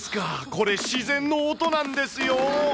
これ、自然の音なんですよ。